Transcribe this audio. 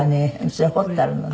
それ彫ってあるのね。